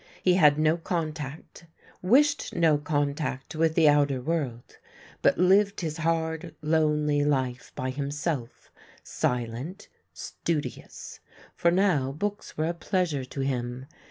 He had no contact, wished no contact with the outer world, but lived his hard, lonely life by himself, silent, studious — for now books were a pleasure to him.